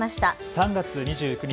３月２９日